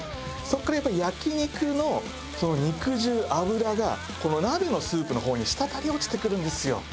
そこからやっぱり焼肉の肉汁油が鍋のスープの方に滴り落ちてくるんですよ。